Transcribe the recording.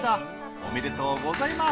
おめでとうございます。